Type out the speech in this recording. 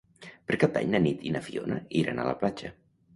Per Cap d'Any na Nit i na Fiona iran a la platja.